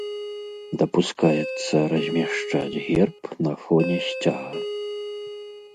Дапускаецца размяшчаць герб на фоне сцяга.